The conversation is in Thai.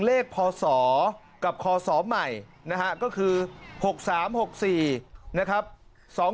ปลูกมะพร้าน้ำหอมไว้๑๐ต้น